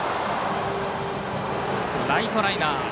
ライトライナー。